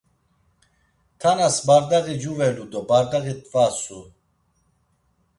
Tanas bardaği cuvelu do bardaği t̆vatsu.